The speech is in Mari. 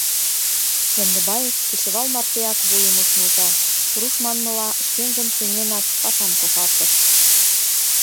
Яндыбаев кечывал мартеак вуйым ыш нӧлтал, руш манмыла, шкенжым сеҥенак пашам кошартыш.